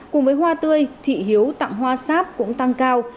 cùng với hoa tươi thị hiếu tặng hoa sáp cũng tăng cao